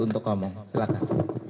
untuk ngomong silahkan